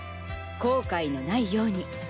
後悔のないように。